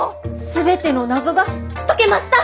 全ての謎が解けました！